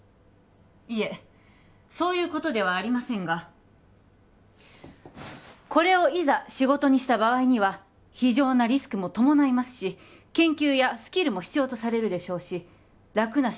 いえそういうことではありませんがこれをいざ仕事にした場合には非常なリスクも伴いますし研究やスキルも必要とされるでしょうし楽な仕事ではないと思いますよ